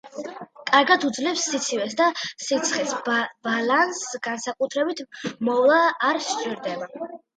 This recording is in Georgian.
კარგად უძლებს სიცივეს და სიცხეს, ბალანს განსაკუთრებული მოვლა არ სჭირდება.